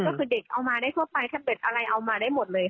ก็คือเด็กเอามาได้ทั่วไปถ้าเบ็ดอะไรเอามาได้หมดเลย